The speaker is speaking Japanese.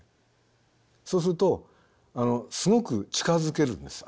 そうするとすごく近づけるんです